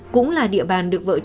cũng là địa bàn được vận chuyển